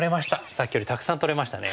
さっきよりたくさん取れましたね。